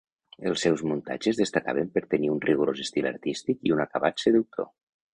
Els seus muntatges destacaven per tenir un rigorós estil artístic i un acabat seductor.